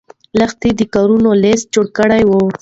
لښتې د کارونو لست جوړ کړی و.